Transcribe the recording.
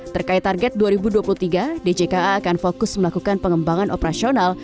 terkait target dua ribu dua puluh tiga djka akan fokus melakukan pengembangan operasional